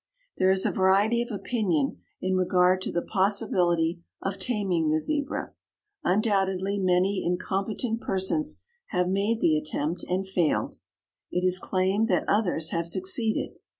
There is a variety of opinion in regard to the possibility of taming the Zebra. Undoubtedly many incompetent persons have made the attempt and failed. It is claimed that others have succeeded.